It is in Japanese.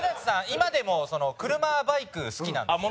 今でも車バイク好きなんですよ。